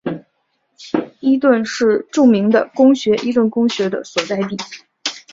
伊顿是著名的公学伊顿公学的所在地。